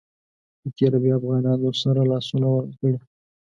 په تېره بیا افغانانو سره لاسونه ورکړي.